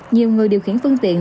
nhiều người điều khiển phương tiện